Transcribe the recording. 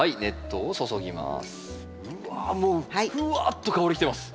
うわもうふわっと香り来てます。